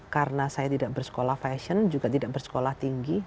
karena saya tidak bersekolah fashion juga tidak bersekolah tinggi